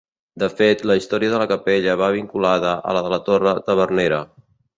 De fet, la història de la Capella va vinculada a la de la Torre Tavernera.